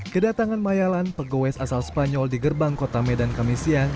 kedatangan mayalan pegawai asal spanyol di gerbang kota medan kami siang